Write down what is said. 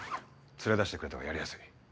連れ出してくれたほうがやりやすい。